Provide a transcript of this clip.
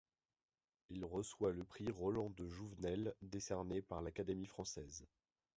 Il reçoit le Prix Roland-de-Jouvenel décerné par l'Académie française.